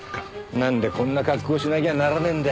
なんでこんな格好しなきゃならねえんだ。